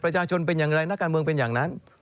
ประชาชนเป็นอย่างไรนักการเมืองเป็นอย่างนั้น